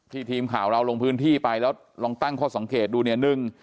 ทีมข่าวเราลงพื้นที่ไปแล้วลองตั้งข้อสังเกตดูเนี่ย